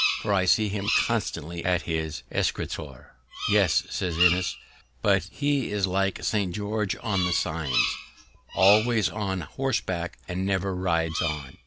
for I see him constantly at his escritoire." "Yes," says Innis, "but he is like St. George on the signs, always on horseback, and never rides on."